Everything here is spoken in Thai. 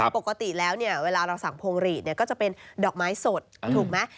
ปกติแล้วเวลาเราสั่งพวงหลีดก็จะเป็นดอกไม้สดถูกไหม